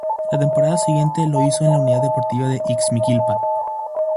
La temporada siguiente lo hizo en la Unidad Deportiva de Ixmiquilpan.